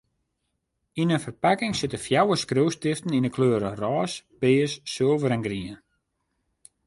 Yn in ferpakking sitte fjouwer skriuwstiften yn 'e kleuren rôs, pears, sulver en grien.